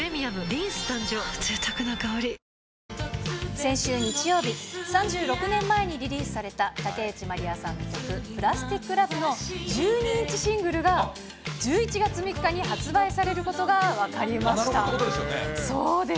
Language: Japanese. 先週日曜日、３６年前にリリースされた竹内まりやさんの曲、プラスティック・ラブの１２インチシングルが１１月３日に発売さ